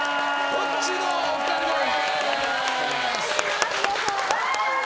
ロッチのお二人です！